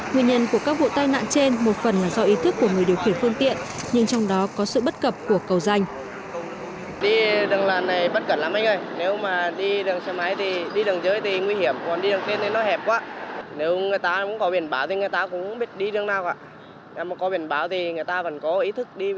nguyên nhân của các vụ tai nạn trên một phần là do ý thức của người điều khiển phương tiện nhưng trong đó có sự bất cập của cầu dành